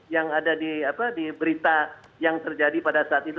yang ada di berita yang terjadi pada saat itu